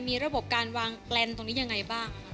มีระบบการวางแกลนตรงนี้ยังไงบ้าง